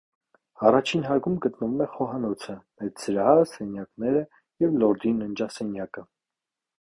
Առաջին հարկում գտնվում է խոհանոցը, մեծ սրահը, սենյակները և լորդի ննջասենյակը։